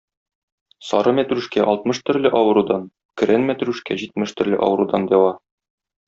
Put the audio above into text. Сары мәтрүшкә алтмыш төрле авырудан, көрән мәтрүшкә җитмеш төрле авырудан дәва.